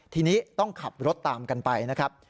ทีนี้ต้องขับรถตามกันไปนะครับ